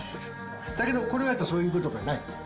だけどこれだとそういうことがない。